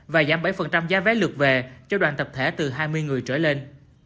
và giảm bảy giá vé lượt về cho đoàn tập thể từ hai mươi người trở lên